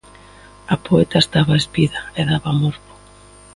A poeta estaba espida e daba morbo.